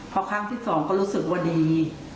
พอครั้งที่สองก็รู้สึกว่าดี